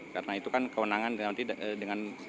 karena itu kan kewenangan nanti dengan